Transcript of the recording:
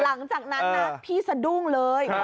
หลังจากนั้นนะพี่สะดุ้งเลย